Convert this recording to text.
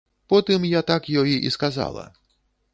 Потым я так ёй і сказала.